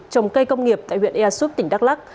trồng cây công nghiệp tại huyện easup tỉnh đắk lắc